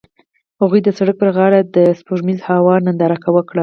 هغوی د سړک پر غاړه د سپوږمیز هوا ننداره وکړه.